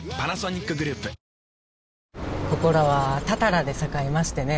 ここらは「たたら」で栄えましてね